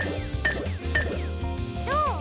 どう？